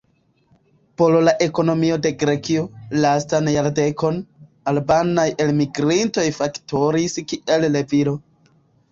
Por la ekonomio de Grekio, lastan jardekon, albanaj elmigrintoj faktoris kiel levilo.